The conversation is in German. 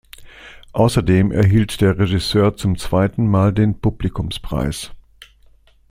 Außerdem erhielt der Regisseur zum zweiten Mal den „Publikumspreis“.